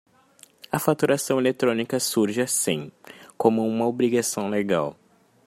A faturação eletrónica surge, assim, como uma obrigação legal.